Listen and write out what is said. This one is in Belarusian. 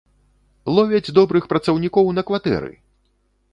Ловяць добрых працаўнікоў на кватэры!